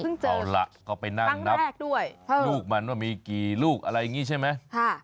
เอาล่ะก็ไปนั่งนับด้วยลูกมันว่ามีกี่ลูกอะไรอย่างนี้ใช่ไหม